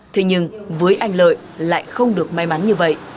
thế nhưng với anh lợi lại không được may mắn như vậy